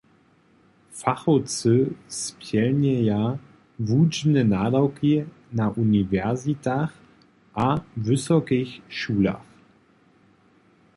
Fachowcy spjelnjeja wučbne nadawki na uniwersitach a wysokich šulach.